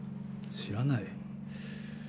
知らない？